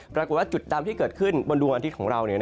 ปรากฏว่าจุดดำที่เกิดขึ้นบนดวงอาทิตย์ของเรา